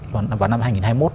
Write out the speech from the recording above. vào năm hai nghìn hai mươi một